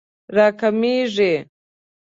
راکمېږي